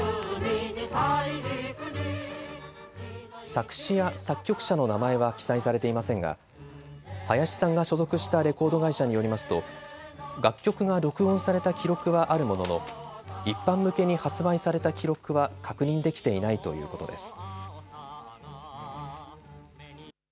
作詞や作曲者の名前は記載されていませんが林さんが所属したレコード会社によりますと、楽曲が録音された記録はあるものの一般向けに発売された記録は確認できていないということです。